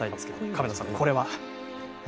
亀田さん、これは？